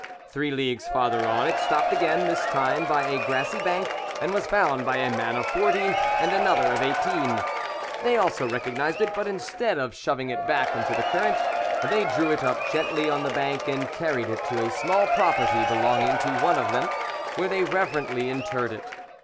Three leagues farther on it stopped again, this time by a grassy bank, and was found by a man of forty and another of eighteen. They also recognised it, but instead of shoving it back into the current, they drew it up gently on the bank and carried it to a small property belonging to one of them, where they reverently interred it.